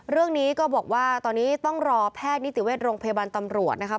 เรื่องนี้ก็บอกว่าตอนนี้ต้องรอแพทย์นิติเวชโรงพยาบาลตำรวจนะครับ